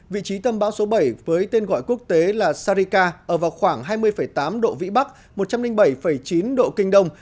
vị trí tâm bão số bảy với tên gọi quốc tế là sarika ở vào khoảng hai mươi tám độ vĩ bắc một trăm linh bảy chín độ kinh đông